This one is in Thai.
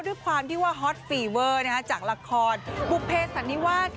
ด้วยความที่ว่าฮอตฟีเวอร์จากละครบุภเพสันนิวาส